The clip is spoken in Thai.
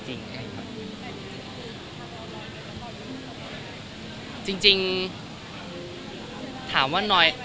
จริงถามว่าหน่อย